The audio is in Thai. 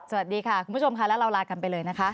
สวัสดีค่ะคุณผู้ชมค่ะแล้วเราลากันไปเลยนะคะ